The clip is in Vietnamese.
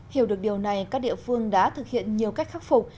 hiểu được điều này các địa phương đã thực hiện nhiều cách khắc phục